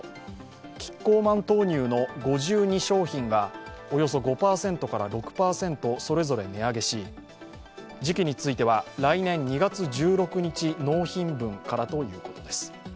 キッコーマン豆乳の５２商品がおよそ５％から６％それぞれ値上げし時期については、来年２月１６日納品分からということです。